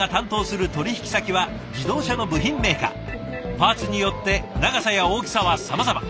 パーツによって長さや大きさはさまざま。